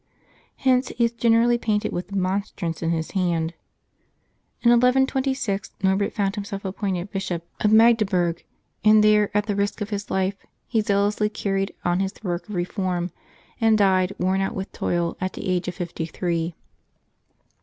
Hence he is generally painted with the monstrance in his hand. In 1126 aSTorbert found himself appointed Bishop of Magde^ 208 LIVES OF THE SAINTS [June 7 burg; and there, at the risk of his life, he zealously car ried on his work of reform, and died, worn out with toil, at the age of fifty three.